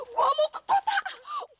gue mau ke kota